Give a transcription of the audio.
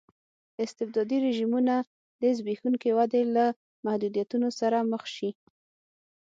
استبدادي رژیمونه د زبېښونکې ودې له محدودیتونو سره مخ شي.